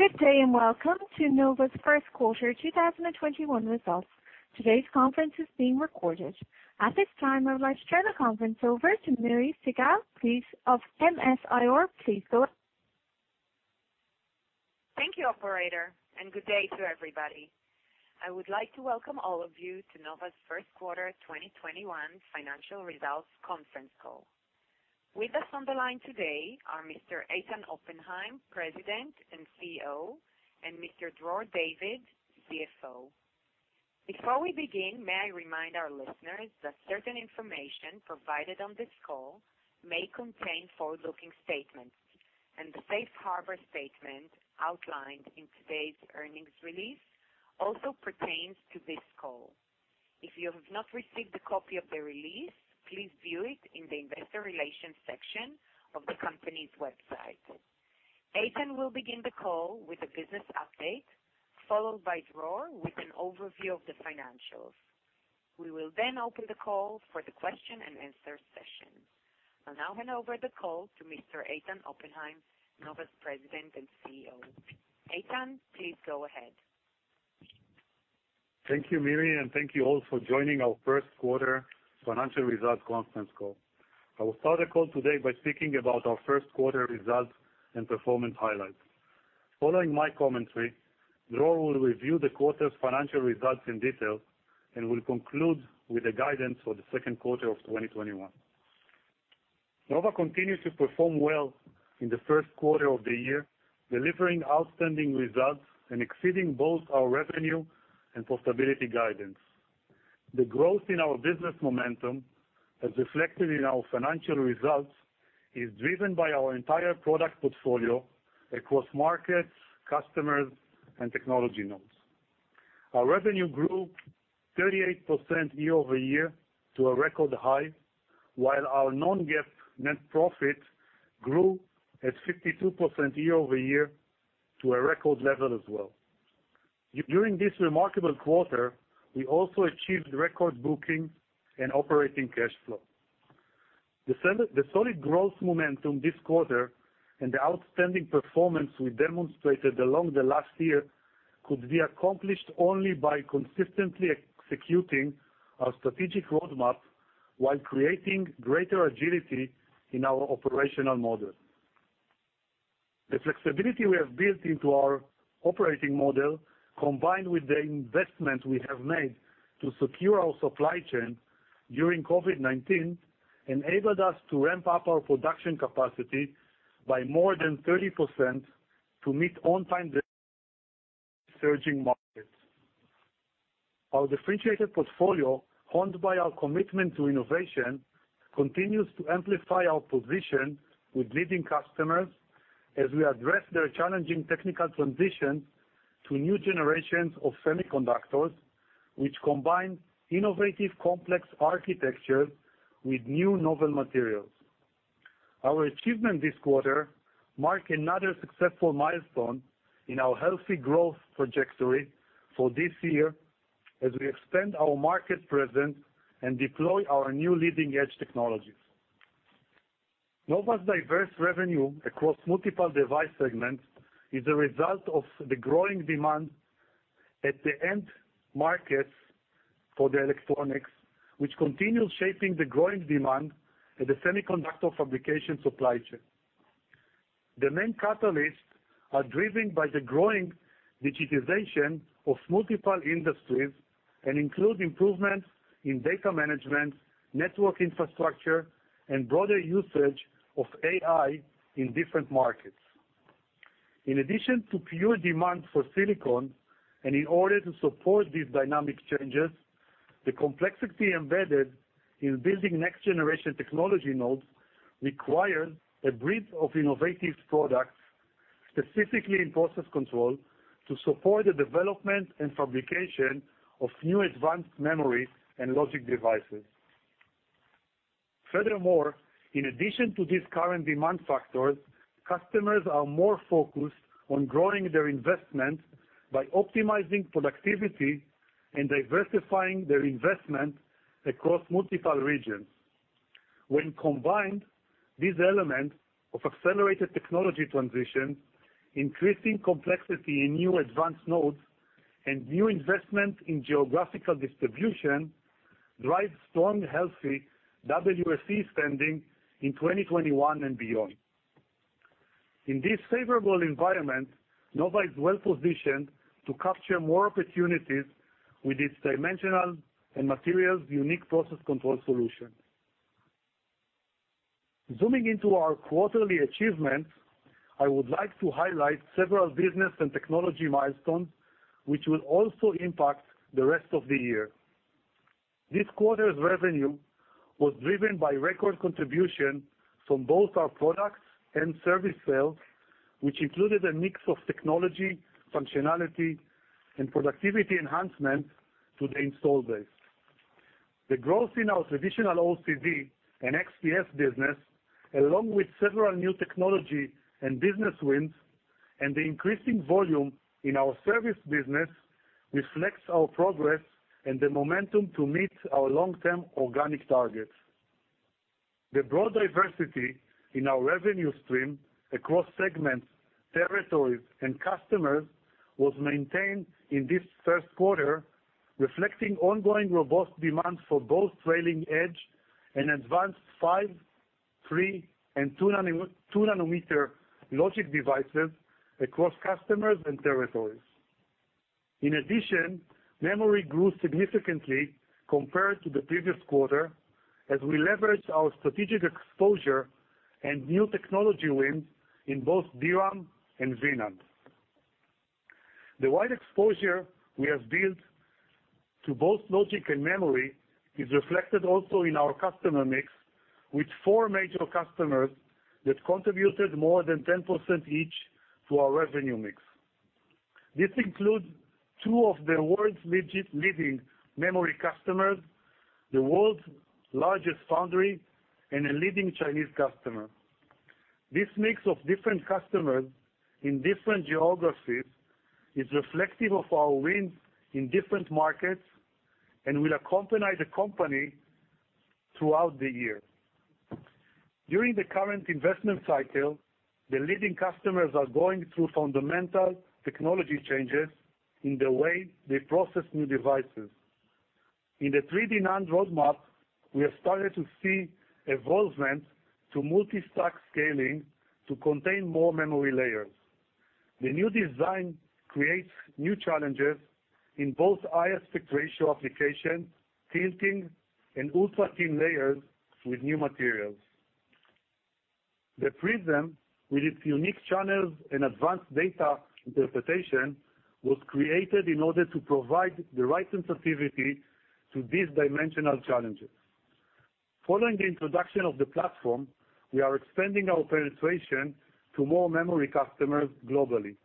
Good day, welcome to Nova's first quarter 2021 results. Today's conference is being recorded. At this time, I would like to turn the conference over to Miri Segal, CEO, of MS-IR. Please go ahead. Thank you, operator, and good day to everybody. I would like to welcome all of you to Nova's first quarter 2021 financial results conference call. With us on the line today are Mr. Eitan Oppenheim, President and CEO, and Mr. Dror David, CFO. Before we begin, may I remind our listeners that certain information provided on this call may contain forward-looking statements, and the safe harbor statement outlined in today's earnings release also pertains to this call. If you have not received a copy of the release, please view it in the investor relations section of the company's website. Eitan will begin the call with a business update, followed by Dror with an overview of the financials. We will open the call for the question and answer session. I'll now hand over the call to Mr. Eitan Oppenheim, Nova's President and CEO. Eitan, please go ahead. Thank you, Miri, and thank you all for joining our first quarter financial results conference call. I will start the call today by speaking about our first quarter results and performance highlights. Following my commentary, Dror will review the quarter's financial results in detail and will conclude with the guidance for the second quarter of 2021. Nova continues to perform well in the first quarter of the year, delivering outstanding results and exceeding both our revenue and profitability guidance. The growth in our business momentum, as reflected in our financial results, is driven by our entire product portfolio across markets, customers, and technology nodes. Our revenue grew 38% year-over-year to a record high, while our non-GAAP net profit grew at 52% year-over-year to a record level as well. During this remarkable quarter, we also achieved record booking and operating cash flow. The solid growth momentum this quarter and the outstanding performance we demonstrated along the last year could be accomplished only by consistently executing our strategic roadmap while creating greater agility in our operational model. The flexibility we have built into our operating model, combined with the investment we have made to secure our supply chain during COVID-19, enabled us to ramp up our production capacity by more than 30% to meet on-time delivery in the surging markets. Our differentiated portfolio, honed by our commitment to innovation, continues to amplify our position with leading customers as we address their challenging technical transitions to new generations of semiconductors, which combine innovative, complex architecture with new novel materials. Our achievement this quarter mark another successful milestone in our healthy growth trajectory for this year as we expand our market presence and deploy our new leading-edge technologies. Nova's diverse revenue across multiple device segments is a result of the growing demand at the end markets for the electronics, which continue shaping the growing demand at the semiconductor fabrication supply chain. The main catalysts are driven by the growing digitization of multiple industries and include improvements in data management, network infrastructure, and broader usage of AI in different markets. In addition to pure demand for silicon, and in order to support these dynamic changes, the complexity embedded in building next generation technology nodes require a breed of innovative products, specifically in process control, to support the development and fabrication of new advanced memory and logic devices. Furthermore, in addition to these current demand factors, customers are more focused on growing their investment by optimizing productivity and diversifying their investment across multiple regions. When combined, these elements of accelerated technology transition, increasing complexity in new advanced nodes, and new investment in geographical distribution drive strong, healthy WFE spending in 2021 and beyond. In this favorable environment, Nova is well-positioned to capture more opportunities with its dimensional and materials unique process control solution. Zooming into our quarterly achievement, I would like to highlight several business and technology milestones, which will also impact the rest of the year. This quarter's revenue was driven by record contribution from both our products and service sales, which included a mix of technology, functionality, and productivity enhancement to the install base. The growth in our traditional OCD and XPS business, along with several new technology and business wins, and the increasing volume in our service business reflects our progress and the momentum to meet our long-term organic targets. The broad diversity in our revenue stream across segments, territories, and customers was maintained in this first quarter, reflecting ongoing robust demand for both trailing edge and advanced 5 nanometer, 3 nanometer, and 2 nanometer logic devices across customers and territories. In addition, memory grew significantly compared to the previous quarter as we leveraged our strategic exposure and new technology wins in both DRAM and VNAND. The wide exposure we have built to both logic and memory is reflected also in our customer mix, with four major customers that contributed more than 10% each to our revenue mix. This includes two of the world's leading memory customers, the world's largest foundry, and a leading Chinese customer. This mix of different customers in different geographies is reflective of our wins in different markets, and will accompany the company throughout the year. During the current investment cycle, the leading customers are going through fundamental technology changes in the way they process new devices. In the 3D NAND roadmap, we have started to see evolvement to multi-stack scaling to contain more memory layers. The new design creates new challenges in both aspect ratio application, tilting, and ultra-thin layers with new materials. The Prism, with its unique channels and advanced data interpretation, was created in order to provide the right sensitivity to these dimensional challenges. Following the introduction of the platform, we are expanding our penetration to more memory customers globally,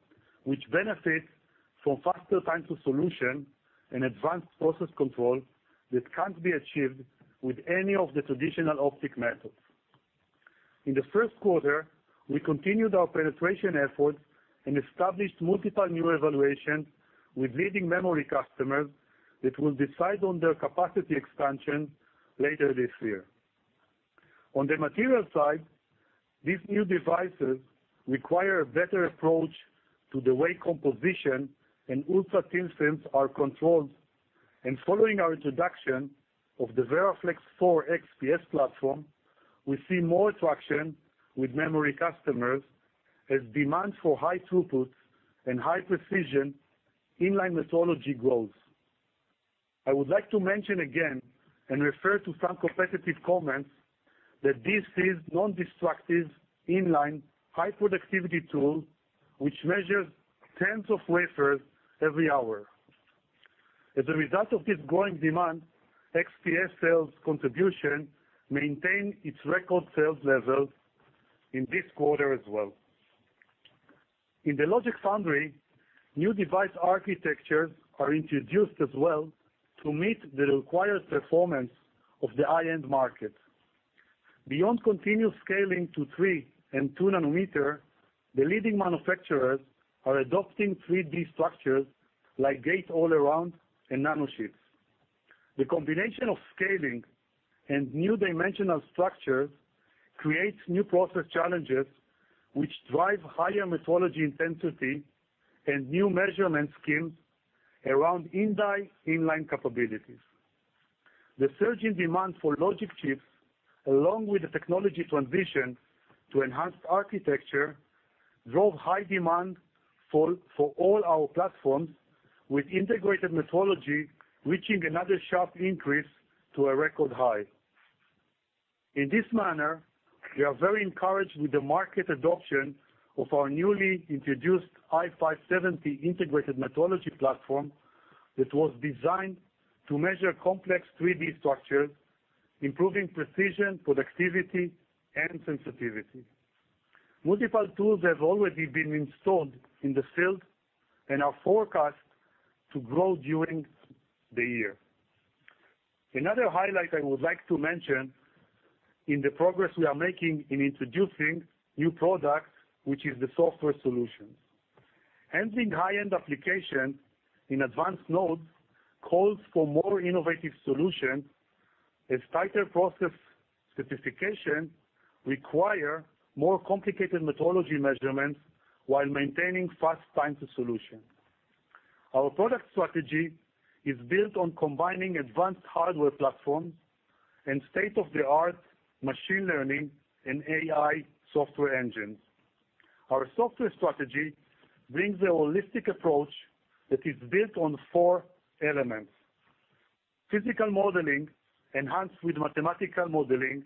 which benefits from faster time to solution and advanced process control that can't be achieved with any of the traditional optic methods. In the first quarter, we continued our penetration efforts and established multiple new evaluations with leading memory customers that will decide on their capacity expansion later this year. On the material side, these new devices require a better approach to the way composition and ultra-thin films are controlled. Following our introduction of the VeraFlex IV XPS platform, we see more traction with memory customers as demand for high throughputs and high precision in-line metrology grows. I would like to mention again, and refer to some competitive comments, that this is non-destructive, in-line, high-productivity tool, which measures tens of wafers every hour. As a result of this growing demand, XPS sales contribution maintained its record sales level in this quarter as well. In the logic foundry, new device architectures are introduced as well to meet the required performance of the high-end market. Beyond continuous scaling to three and two nanometer, the leading manufacturers are adopting 3D structures like gate-all-around and nanosheets. The combination of scaling and new dimensional structures creates new process challenges, which drive higher metrology intensity and new measurement schemes around in-die in-line capabilities. The surging demand for logic chips, along with the technology transition to enhanced architecture, drove high demand for all our platforms, with integrated metrology reaching another sharp increase to a record high. In this manner, we are very encouraged with the market adoption of our newly introduced i570 integrated metrology platform that was designed to measure complex 3D structures, improving precision, productivity, and sensitivity. Multiple tools have already been installed in the field and are forecast to grow during the year. Another highlight I would like to mention in the progress we are making in introducing new products, which is the software solution. Handling high-end application in advanced nodes calls for more innovative solutions as tighter process specification require more complicated metrology measurements while maintaining fast time to solution. Our product strategy is built on combining advanced hardware platforms and state-of-the-art machine learning and AI software engines. Our software strategy brings a holistic approach that is built on four elements. Physical modeling, enhanced with mathematical modeling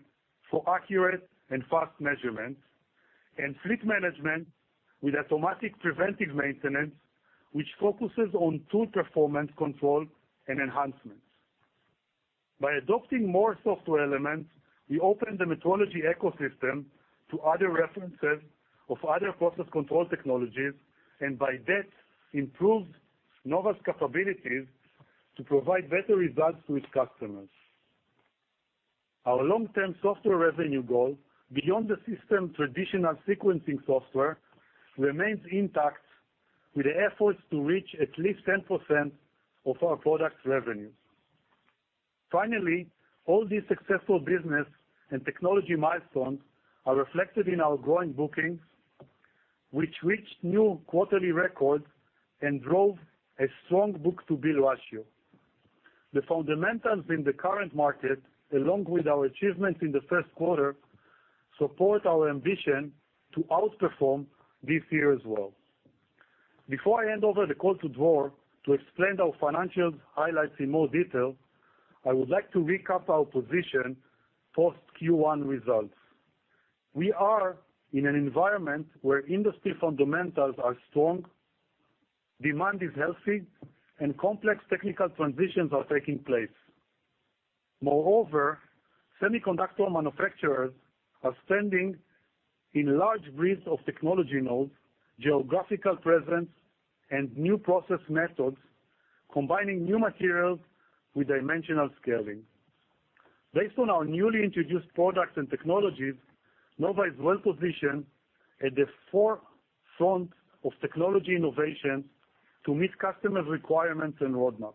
for accurate and fast measurements, and fleet management with automatic preventive maintenance, which focuses on tool performance control and enhancements. By adopting more software elements, we open the metrology ecosystem to other references of other process control technologies, and by that, improve Nova's capabilities to provide better results to its customers. Our long-term software revenue goal, beyond the system traditional sequencing software, remains intact with the efforts to reach at least 10% of our product revenue. Finally, all these successful business and technology milestones are reflected in our growing bookings, which reached new quarterly records and drove a strong book-to-bill ratio. The fundamentals in the current market, along with our achievements in the first quarter, support our ambition to outperform this year as well. Before I hand over the call to Dror to explain our financial highlights in more detail, I would like to recap our position post Q1 results. We are in an environment where industry fundamentals are strong, demand is healthy, and complex technical transitions are taking place. Moreover, semiconductor manufacturers are spending in large breeds of technology nodes, geographical presence, and new process methods, combining new materials with dimensional scaling. Based on our newly introduced products and technologies, Nova is well-positioned at the forefront of technology innovation to meet customers' requirements and roadmap.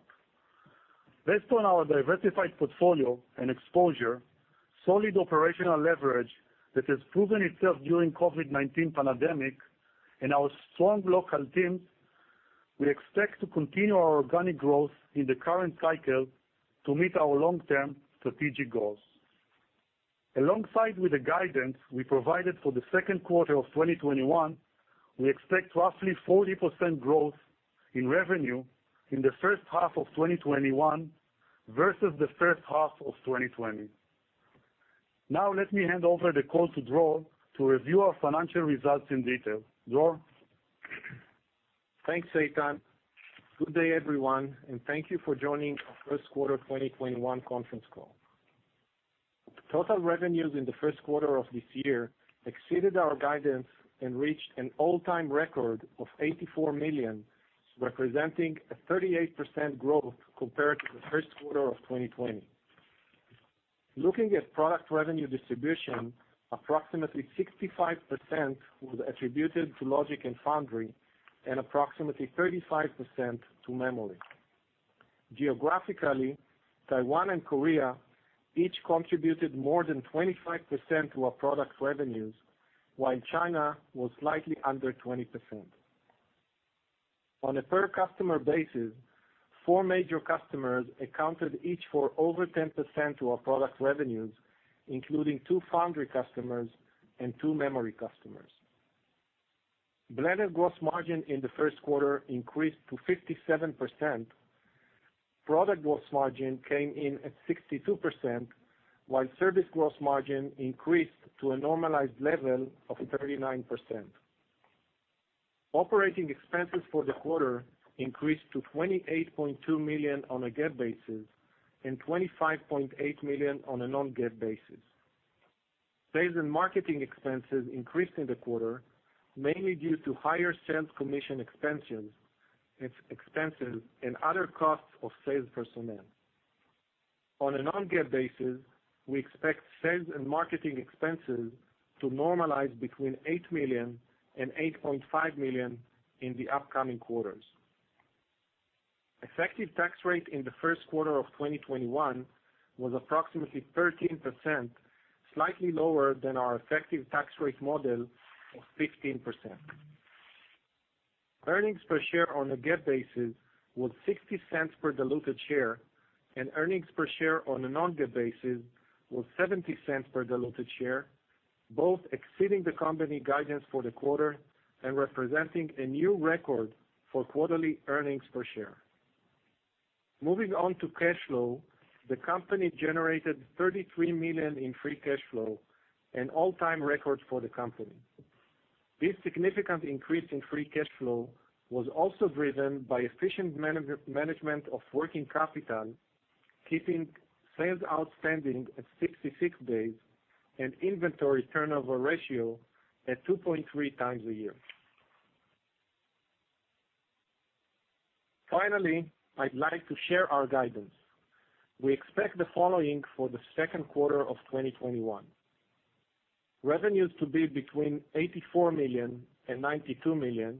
Based on our diversified portfolio and exposure, solid operational leverage that has proven itself during COVID-19 pandemic, and our strong local teams, we expect to continue our organic growth in the current cycle to meet our long-term strategic goals. Alongside with the guidance we provided for the second quarter of 2021, we expect roughly 40% growth in revenue in the first half of 2021 versus the first half of 2020. Now, let me hand over the call to Dror to review our financial results in detail. Dror? Thanks, Eitan. Good day, everyone, thank you for joining our first quarter 2021 conference call. Total revenues in the first quarter of this year exceeded our guidance and reached an all-time record of $84 million, representing a 38% growth compared to the first quarter of 2020. Looking at product revenue distribution, approximately 65% was attributed to logic and foundry and approximately 35% to memory. Geographically, Taiwan and Korea each contributed more than 25% to our product revenues, while China was slightly under 20%. On a per customer basis, four major customers accounted each for over 10% to our product revenues, including two foundry customers and two memory customers. Blended gross margin in the first quarter increased to 57%. Product gross margin came in at 62%, while service gross margin increased to a normalized level of 39%. Operating expenses for the quarter increased to $28.2 million on a GAAP basis and $25.8 million on a non-GAAP basis. Sales and marketing expenses increased in the quarter, mainly due to higher sales commission expenses and other costs of sales personnel. On a non-GAAP basis, we expect sales and marketing expenses to normalize between $8 million and $8.5 million in the upcoming quarters. Effective tax rate in the first quarter of 2021 was approximately 13%, slightly lower than our effective tax rate model of 15%. Earnings per share on a GAAP basis was $0.60 per diluted share, and earnings per share on a non-GAAP basis was $0.70 per diluted share, both exceeding the company guidance for the quarter and representing a new record for quarterly earnings per share. Moving on to cash flow, the company generated $33 million in free cash flow, an all-time record for the company. This significant increase in free cash flow was also driven by efficient management of working capital, keeping sales outstanding at 66 days and inventory turnover ratio at 2.3x a year. I'd like to share our guidance. We expect the following for the second quarter of 2021. Revenues to be between $84 million and $92 million.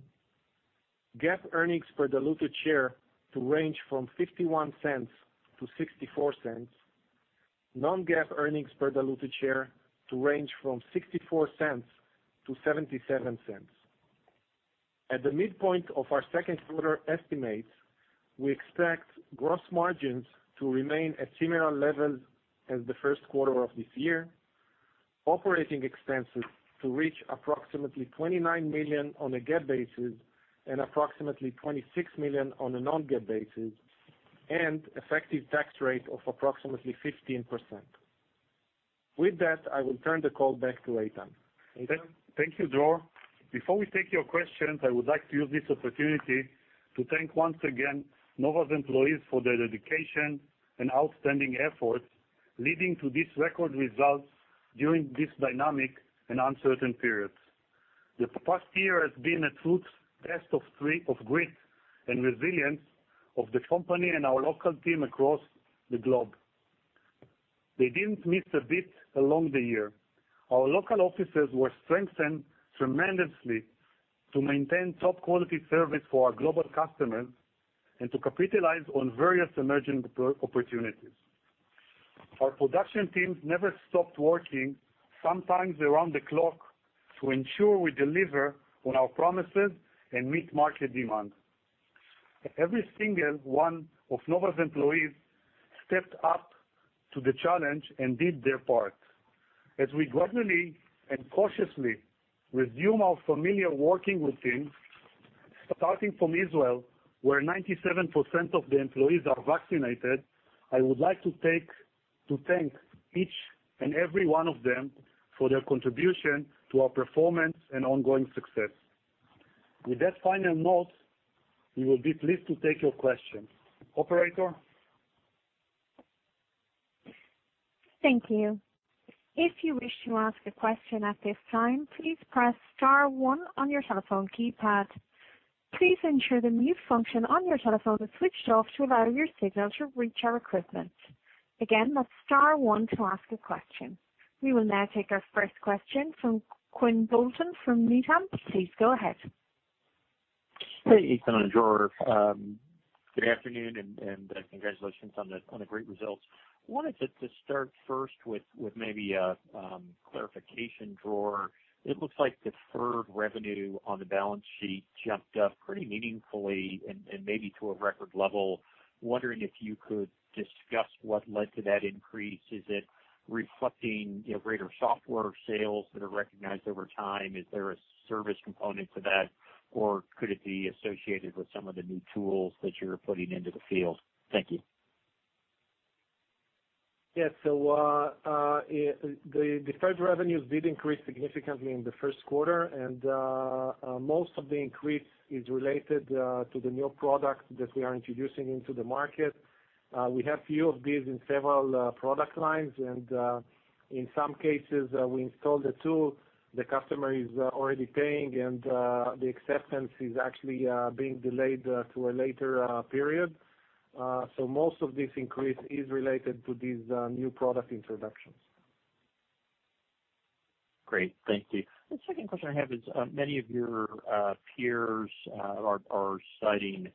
GAAP earnings per diluted share to range from $0.51 to $0.64. Non-GAAP earnings per diluted share to range from $0.64 to $0.77. At the midpoint of our second quarter estimates, we expect gross margins to remain at similar levels as the first quarter of this year, operating expenses to reach approximately $29 million on a GAAP basis and approximately $26 million on a non-GAAP basis, and effective tax rate of approximately 15%. With that, I will turn the call back to Eitan. Eitan? Thank you, Dror. Before we take your questions, I would like to use this opportunity to thank once again Nova's employees for their dedication and outstanding efforts leading to these record results during this dynamic and uncertain period. The past year has been a true test of grit and resilience of the company and our local team across the globe. They didn't miss a beat along the year. Our local offices were strengthened tremendously to maintain top-quality service for our global customers and to capitalize on various emerging opportunities. Our production teams never stopped working, sometimes around the clock, to ensure we deliver on our promises and meet market demand. Every single one of Nova's employees stepped up to the challenge and did their part. As we gradually and cautiously resume our familiar working routines, starting from Israel, where 97% of the employees are vaccinated, I would like to thank each and every one of them for their contribution to our performance and ongoing success. With that final note, we will be pleased to take your questions. Operator? Thank you. If you wish to ask a question at this time, please press star one on your telephone keypad. Please ensure the mute function on your telephone is switched off so that your signal is reached our equipment. Again, that's star one to ask a question. We will now take our first question from Quinn Bolton from Needham. Please go ahead. Hey, Eitan and Dror. Good afternoon, and congratulations on the great results. Wanted to start first with maybe a clarification, Dror. It looks like deferred revenue on the balance sheet jumped up pretty meaningfully and maybe to a record level. Wondering if you could discuss what led to that increase. Is it reflecting greater software sales that are recognized over time? Is there a service component to that, or could it be associated with some of the new tools that you're putting into the field? Thank you. Yes. The deferred revenues did increase significantly in the first quarter, and most of the increase is related to the new product that we are introducing into the market. We have few of these in several product lines, and in some cases, we install the tool, the customer is already paying, and the acceptance is actually being delayed to a later period. Most of this increase is related to these new product introductions. Great. Thank you. The second question I have is, many of your peers are citing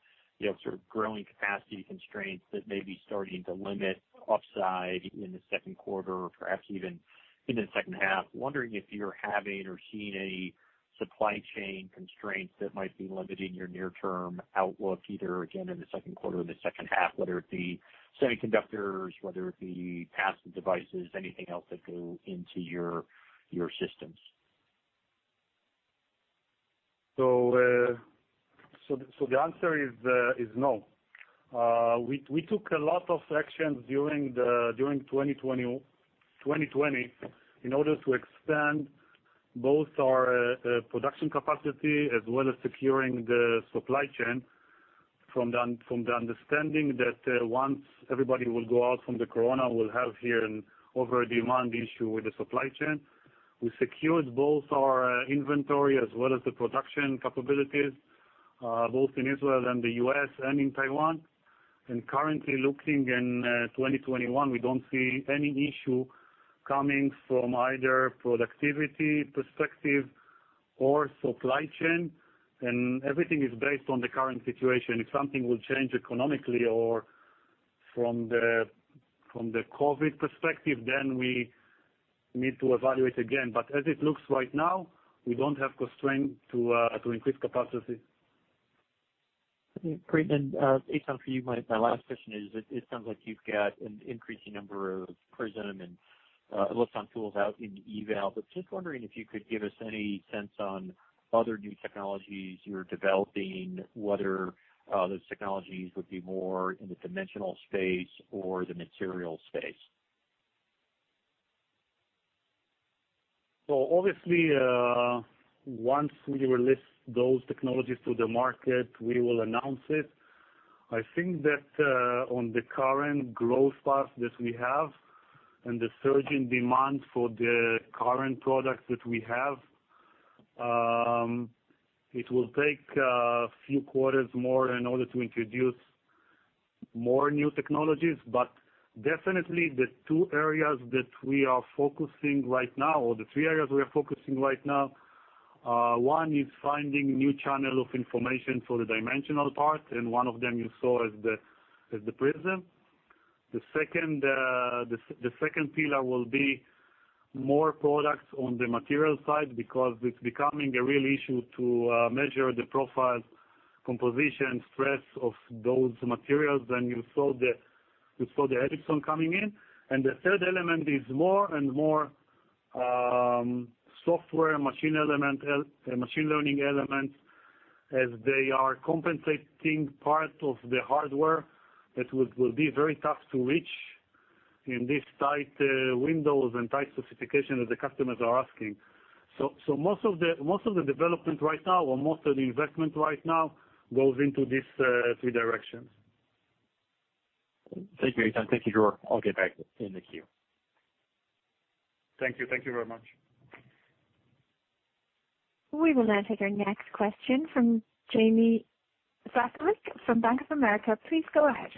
sort of growing capacity constraints that may be starting to limit upside in the second quarter or perhaps even into the second half. Wondering if you're having or seeing any supply chain constraints that might be limiting your near-term outlook, either again, in the second quarter or the second half, whether it be semiconductors, whether it be passive devices, anything else that go into your systems? The answer is no. We took a lot of actions during 2020 in order to expand both our production capacity as well as securing the supply chain from the understanding that once everybody will go out from the COVID-19, we'll have here an over-demand issue with the supply chain. We secured both our inventory as well as the production capabilities, both in Israel and the U.S. and in Taiwan. Currently looking in 2021, we don't see any issue coming from either productivity perspective or supply chain, and everything is based on the current situation. If something will change economically or from the COVID perspective, then we need to evaluate again. As it looks right now, we don't have constraint to increase capacity. Okay, great. Eitan, for you, my last question is, it sounds like you've got an increasing number of PRISM and Luxon tools out in eval, just wondering if you could give us any sense on other new technologies you're developing, whether those technologies would be more in the dimensional space or the material space. Obviously, once we release those technologies to the market, we will announce it. I think that on the current growth path that we have and the surge in demand for the current products that we have, it will take a few quarters more in order to introduce more new technologies. Definitely, the two areas that we are focusing right now, or the three areas we are focusing right now, one is finding new channel of information for the dimensional part, and one of them you saw is the Prism. The second pillar will be more products on the material side because it's becoming a real issue to measure the profile, composition, stress of those materials, and you saw the Edison coming in. The third element is more and more software and machine learning elements as they are compensating part of the hardware that will be very tough to reach in these tight windows and tight specifications that the customers are asking. Most of the development right now, or most of the investment right now, goes into these three directions. Thank you, Eitan. Thank you, Dror. I'll get back in the queue. Thank you. Thank you very much. We will now take our next question from Jamie Rebecca Zakalik from Bank of America. Please go ahead.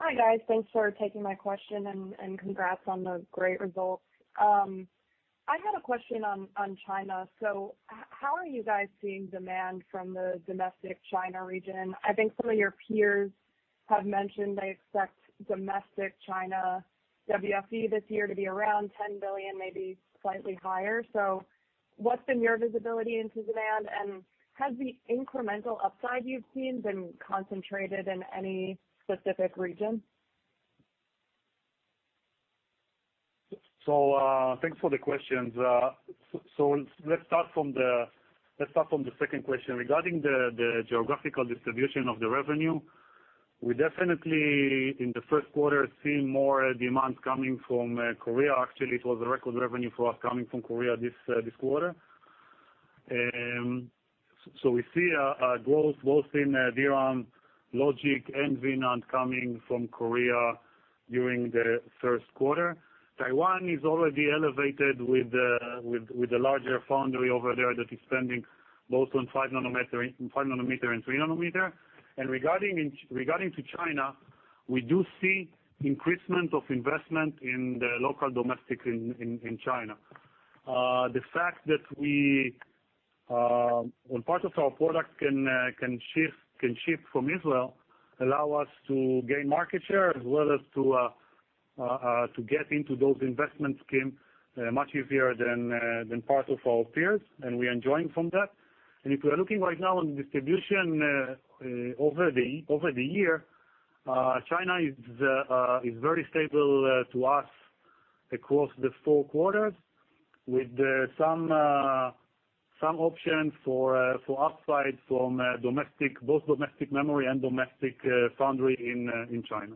Hi, guys. Thanks for taking my question and congrats on the great results. I had a question on China. How are you guys seeing demand from the domestic China region? I think some of your peers have mentioned they expect domestic China WFE this year to be around $10 billion, maybe slightly higher. What's been your visibility into demand? Has the incremental upside you've seen been concentrated in any specific region? Thanks for the questions. Let's start from the second question regarding the geographical distribution of the revenue. We definitely, in the first quarter, have seen more demand coming from Korea. Actually, it was a record revenue for us coming from Korea this quarter. We see a growth both in D-RAM, logic, and VNAND coming from Korea during the first quarter. Taiwan is already elevated with the larger foundry over there that is spending both on 5 nanometer and 3 nanometer. Regarding to China, we do see increasement of investment in the local domestic in China. The fact that part of our product can ship from Israel allow us to gain market share as well as to get into those investment scheme much easier than part of our peers, and we are enjoying from that. If we are looking right now on the distribution over the year, China is very stable to us across the four quarters with some options for upside from both domestic memory and domestic foundry in China.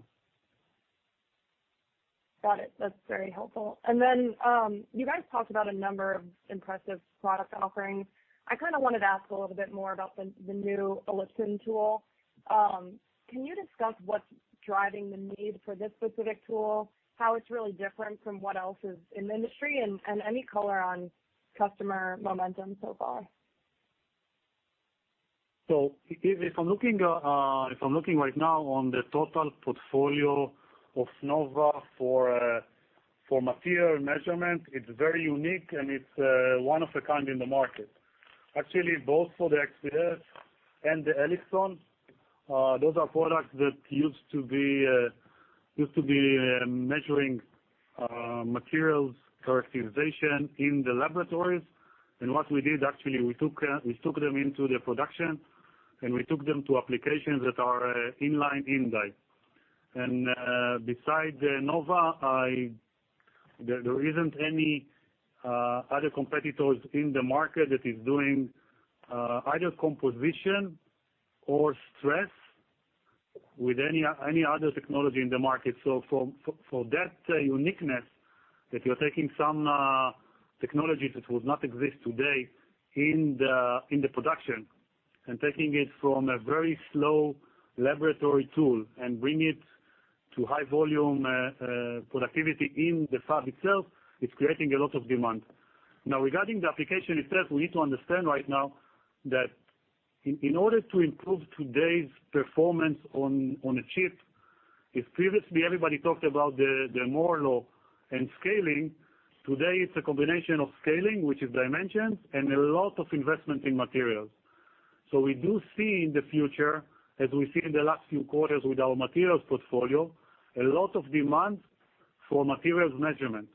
Got it. That's very helpful. You guys talked about a number of impressive product offerings. I wanted to ask a little bit more about the new Elipson tool. Can you discuss what's driving the need for this specific tool, how it's really different from what else is in the industry, and any color on customer momentum so far? If I'm looking right now on the total portfolio of Nova for material measurement, it's very unique, and it's one of a kind in the market. Actually, both for the XPS and the Elipson, those are products that used to be measuring materials characterization in the laboratories. What we did, actually, we took them into the production, and we took them to applications that are in-line in-die. Beside Nova, there isn't any other competitors in the market that is doing either composition or stress with any other technology in the market. For that uniqueness, that you're taking some technologies that would not exist today in the production and taking it from a very slow laboratory tool and bring it to high volume productivity in the fab itself, it's creating a lot of demand. Regarding the application itself, we need to understand right now that in order to improve today's performance on a chip, if previously everybody talked about the Moore's Law and scaling, today it's a combination of scaling, which is dimensions, and a lot of investment in materials. We do see in the future, as we've seen in the last few quarters with our materials portfolio, a lot of demand for materials measurement.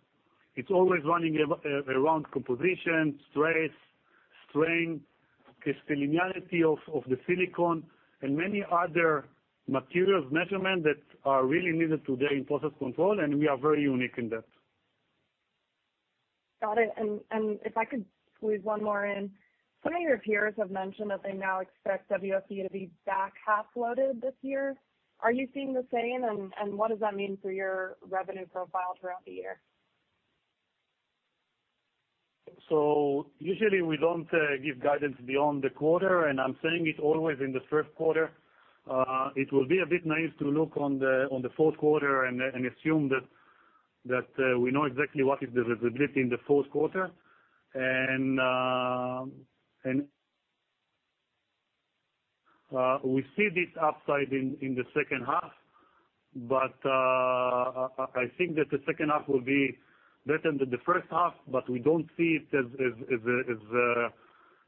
It's always running around composition, stress, strain, crystallinity of the silicon, and many other materials measurement that are really needed today in process control, and we are very unique in that. Got it. If I could squeeze one more in. Some of your peers have mentioned that they now expect WFE to be back half-loaded this year. Are you seeing the same? What does that mean for your revenue profile throughout the year? Usually, we don't give guidance beyond the quarter, and I'm saying it always in the first quarter. It will be a bit naive to look on the fourth quarter and assume that we know exactly what is the visibility in the fourth quarter. We see this upside in the second half, but I think that the second half will be better than the first half, but we don't see it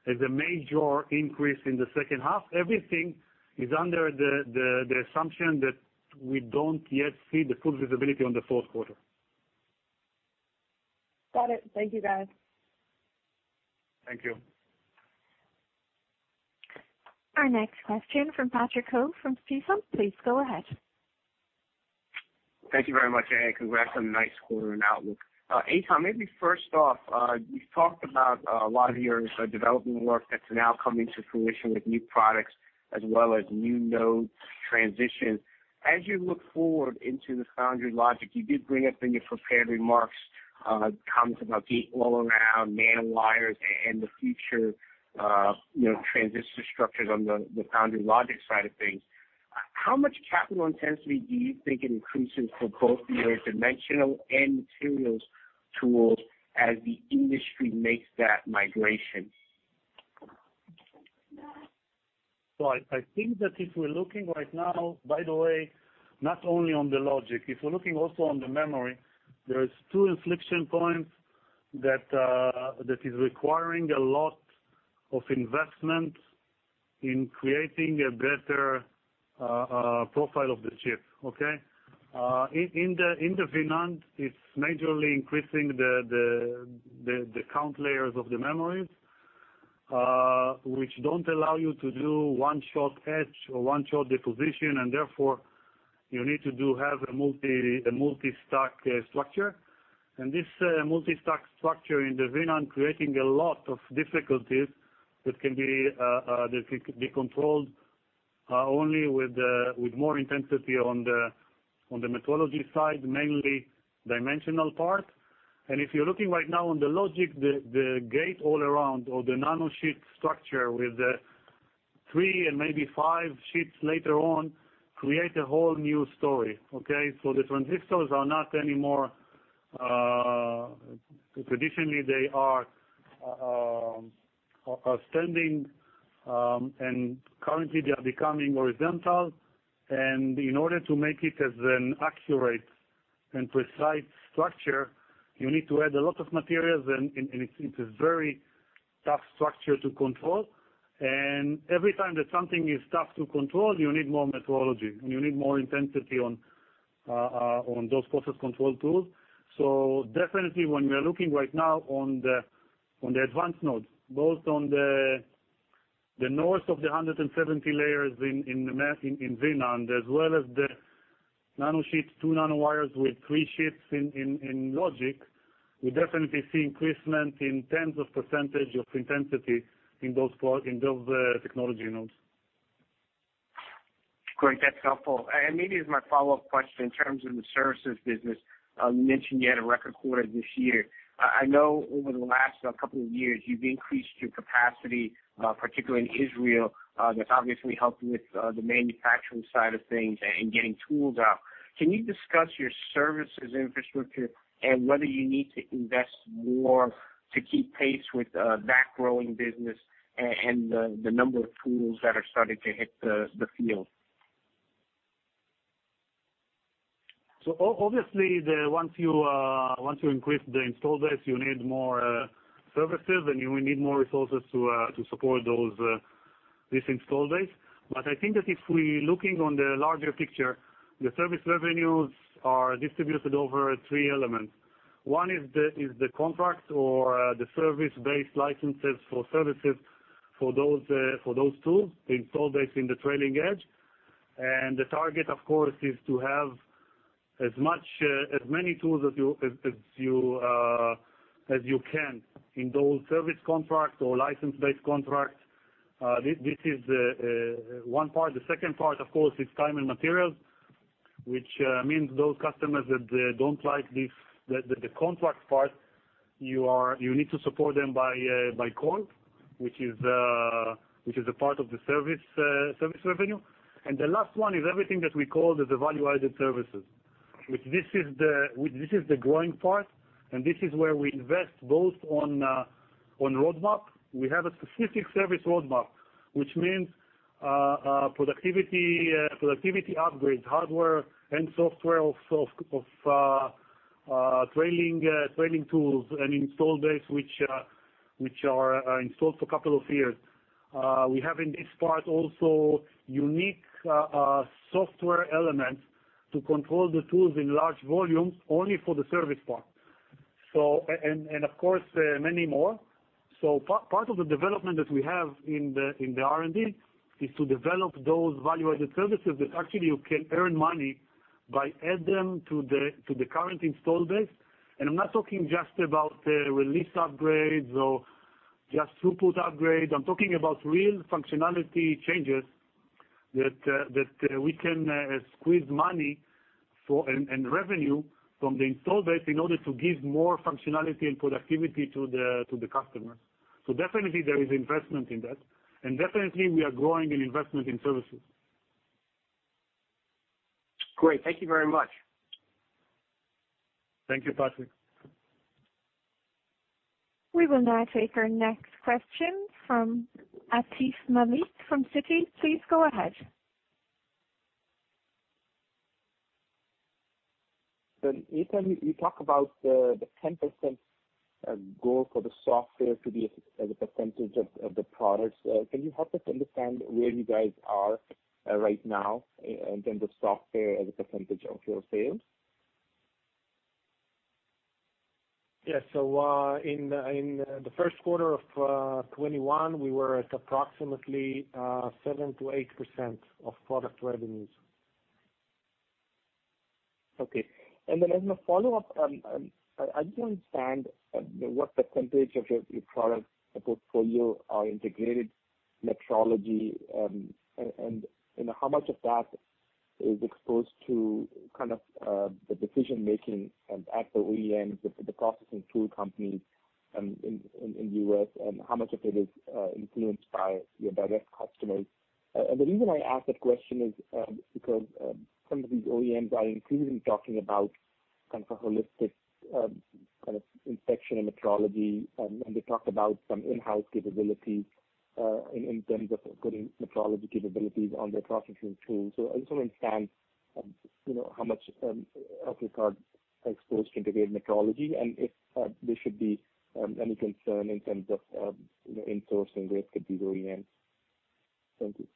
as a major increase in the second half. Everything is under the assumption that we don't yet see the full visibility on the fourth quarter. Got it. Thank you, guys. Thank you. Our next question from Patrick Ho from Stifel. Please go ahead. Thank you very much, and congrats on a nice quarter and outlook. Eitan, maybe first off, you talked about a lot of your development work that's now coming to fruition with new products as well as new node transitions. As you look forward into the foundry logic, you did bring up in your prepared remarks comments about gate-all-around, Nanowires, and the future transistor structures on the foundry logic side of things. How much capital intensity do you think it increases for both your dimensional and materials tools as the industry makes that migration? I think that if we're looking right now, by the way, not only on the logic, if we're looking also on the memory, there's two inflection points that is requiring a lot of investment in creating a better profile of the chip, okay? In the VNAND, it's majorly increasing the count layers of the memories, which don't allow you to do one-shot etch or one-shot deposition, and therefore, you need to have a multi-stack structure. This multi-stack structure in the VNAND, creating a lot of difficulties that can be controlled only with more intensity on the metrology side, mainly dimensional part. If you're looking right now on the logic, the gate-all-around or the nanosheet structure with the three and maybe five sheets later on, create a whole new story, okay? The transistors are not anymore. Traditionally, they are standing, and currently, they are becoming horizontal. In order to make it as an accurate and precise structure, you need to add a lot of materials, and it is very tough structure to control. Every time that something is tough to control, you need more metrology, and you need more intensity on those process control tools. Definitely, when we are looking right now on the advanced nodes, both on the north of the 170 layers in NAND, as well as the nanosheets, Nanowires with three sheets in logic, we definitely see increasement in tens of percentage of intensity in those technology nodes. Great. That's helpful. Maybe as my follow-up question, in terms of the services business, you mentioned you had a record quarter this year. I know over the last couple of years, you've increased your capacity, particularly in Israel. That's obviously helped with the manufacturing side of things and getting tools out. Can you discuss your services infrastructure and whether you need to invest more to keep pace with that growing business and the number of tools that are starting to hit the field? Obviously, once you increase the install base, you need more services, and you will need more resources to support this install base. I think that if we're looking on the larger picture, the service revenues are distributed over three elements. One is the contract or the service-based licenses for services for those tools, the install base in the trailing edge. The target, of course, is to have as many tools as you can in those service contracts or license-based contracts. This is one part. The second part, of course, is time and materials, which means those customers that don't like the contract part, you need to support them by call, which is a part of the service revenue. The last one is everything that we call as the value-added services. This is the growing part, and this is where we invest both on roadmap. We have a specific service roadmap, which means productivity upgrades, hardware and software of trailing tools and install base, which are installed for a couple of years. We have in this part also unique software elements to control the tools in large volumes only for the service part. Of course, many more. Part of the development that we have in the R&D is to develop those value-added services that actually you can earn money by add them to the current install base. I'm not talking just about release upgrades or just throughput upgrades. I'm talking about real functionality changes that we can squeeze money and revenue from the install base in order to give more functionality and productivity to the customer. Definitely, there is investment in that. Definitely, we are growing in investment in services. Great. Thank you very much. Thank you, Patrick. We will now take our next question from Atif Malik from Citi. Please go ahead. Eitan, you talk about the 10% goal for the software to be as a percentage of the products. Can you help us understand where you guys are right now in terms of software as a percentage of your sales? Yes. In the first quarter of 2021, we were at approximately 7%-8% of product revenues. Okay. As a follow-up, I don't understand what the percentage of your product portfolio are integrated metrology, how much of that is exposed to the decision-making at the OEM, the processing tool companies in U.S., and how much of it is influenced by your direct customers. The reason I ask that question is because some of these OEMs are increasingly talking about a holistic inspection and metrology, they talk about some in-house capabilities in terms of good metrology capabilities on their processing tools. I just want to understand how much AlphaCard exposed integrated metrology, if there should be any concern in terms of insourcing risk at the OEM. Thank you.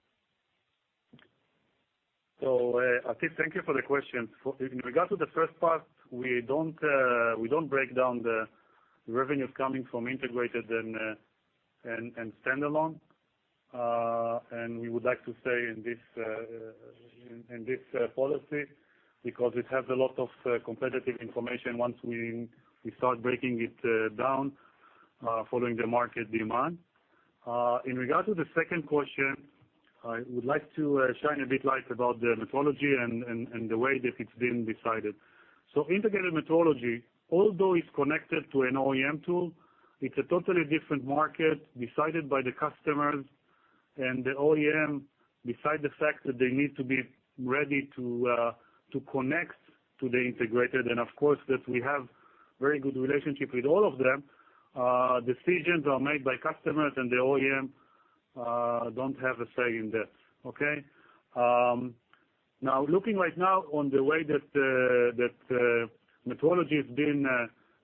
Atif Malik, thank you for the question. In regard to the first part, we don't break down the revenues coming from integrated and standalone. We would like to stay in this policy because it has a lot of competitive information once we start breaking it down following the market demand. In regard to the second question, I would like to shine a bit light about the metrology and the way that it's been decided. Integrated metrology, although it's connected to an OEM tool, it's a totally different market decided by the customers and the OEM, beside the fact that they need to be ready to connect to the integrated, and of course, that we have very good relationship with all of them. Decisions are made by customers, the OEM don't have a say in that. Okay. Looking right now on the way that metrology is being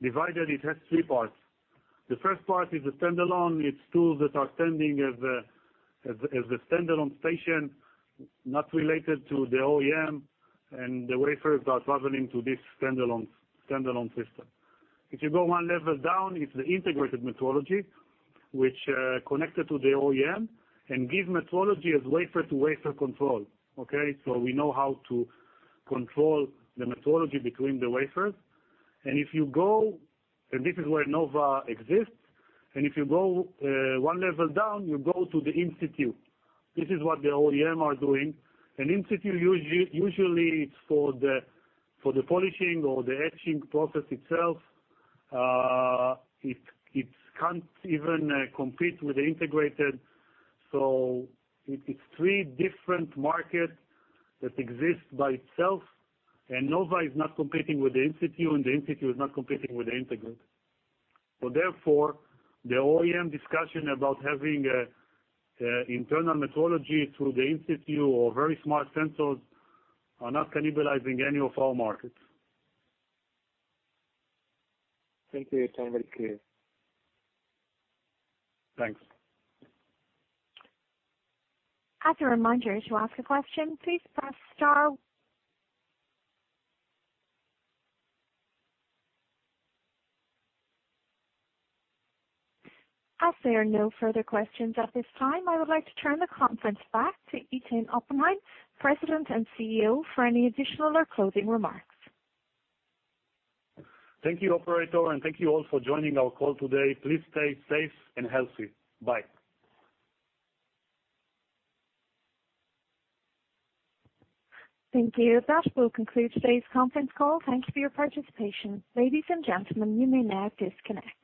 divided, it has three parts. The first part is the standalone. It's tools that are standing as a standalone station, not related to the OEM, and the wafers are traveling to this standalone system. If you go 1 level down, it's the integrated metrology, which connected to the OEM and give metrology as wafer-to-wafer control. Okay? We know how to control the metrology between the wafers. This is where Nova exists. If you go 1 level down, you go to the in-situ. This is what the OEM are doing. An in-situ usually it's for the polishing or the etching process itself. It can't even compete with the integrated. It's three different market that exists by itself. Nova is not competing with the in-situ, the in-situ is not competing with the integrated. Therefore, the OEM discussion about having internal metrology through the in-situ or very smart sensors are not cannibalizing any of our markets. Thank you, Eitan. Very clear. Thanks. As a reminder, to ask a question, please press star. As there are no further questions at this time, I would like to turn the conference back to Eitan Oppenheim, President and CEO, for any additional or closing remarks. Thank you, operator. Thank you all for joining our call today. Please stay safe and healthy. Bye. Thank you. That will conclude today's conference call. Thank you for your participation. Ladies and gentlemen, you may now disconnect.